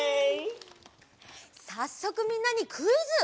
さっそくみんなにクイズ！